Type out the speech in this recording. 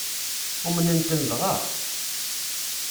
Umnen-ten dɣa?